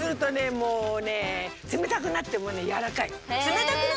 もうね冷たくなってもやわらかい。